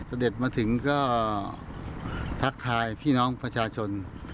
เสด็จมาถึงก็ทักทายพี่น้องประชาชน